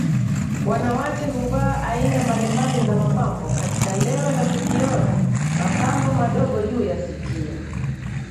Wanawake huvaa aina mbalimbali za mapambo katika ndewe la sikiona mapambo madogojuu ya sikio